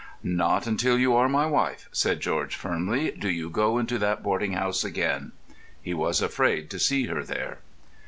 "Not until you are my wife," said George firmly, "do you go into that boarding house again." He was afraid to see her there.